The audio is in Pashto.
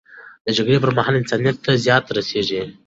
د جګړې پر مهال، انسانیت ته زیان رسیږي.